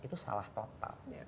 itu salah total